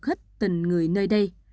hết tình người nơi đây